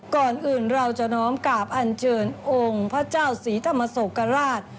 เพื่อสร้างบุญกุศลต่อไป